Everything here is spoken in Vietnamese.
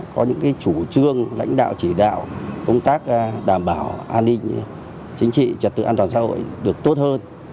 có những chủ trương lãnh đạo chỉ đạo công tác đảm bảo an ninh chính trị trật tự an toàn xã hội được tốt hơn